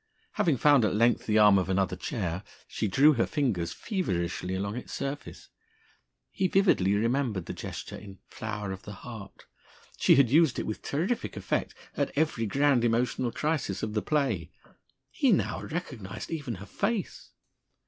Having found at length the arm of another chair, she drew her fingers feverishly along its surface. He vividly remembered the gesture in "Flower of the Heart." She had used it with terrific effect at every grand emotional crisis of the play. He now recognised even her face!